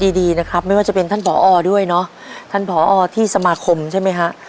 ดีดีนะครับไม่ว่าจะเป็นท่านผอด้วยเนอะท่านผอที่สมาคมใช่ไหมฮะ